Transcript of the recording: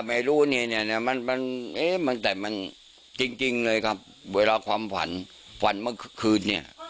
ไม่รู้นี่เนี่ยแต่มันจริงเลยครับเวลาความฝันเมื่อคืน